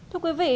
thưa quý vị